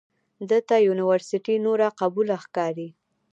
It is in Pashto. ده ته یونورسټي نوره قبوله ښکاري.